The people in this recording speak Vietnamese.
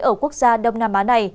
ở quốc gia đông nam á này